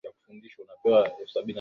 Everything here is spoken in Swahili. Meza ngapi?